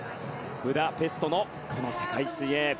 ブダペストの世界水泳。